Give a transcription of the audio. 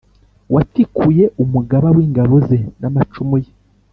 Watikuye umugaba w ingabo ze n amacumu ye